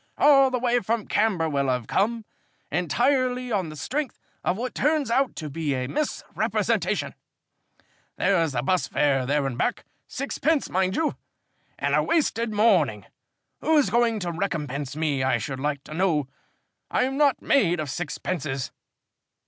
"All the way from Camberwell I've come, entirely on the strength of what turns out to be a misrepresentation. There's the bus fare there and back six pence, mind you and a wasted morning. Who's going to recompense me, I should like to know? I'm not made of sixpences."